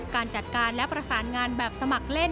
การจัดการและประสานงานแบบสมัครเล่น